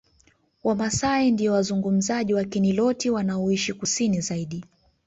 Wamasai ndio wazungumzaji wa Kiniloti wanaoishi Kusini zaidi